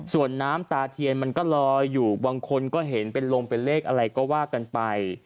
ส่วนน้ำตาเทียนมันก็ลอยอยู่บางคนก็เห็นเป็นลมเป็นเลขอะไรก็ว่ากันไป